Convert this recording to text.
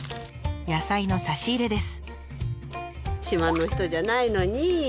野菜の差し入れです。